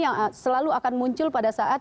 yang selalu akan muncul pada saat